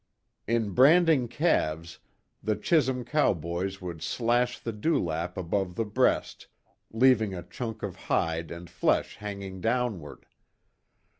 In branding calves the Chisum cowboys would slash the dew lap above the breast, leaving a chunk of hide and flesh hanging downward.